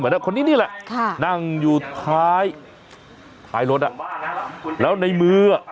คนนี้นี่แหละค่ะนั่งอยู่ท้ายท้ายรถอ่ะแล้วในมืออ่ะ